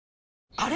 あれ？